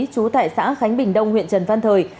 trú tại xã khánh bình đông huyện trần văn thời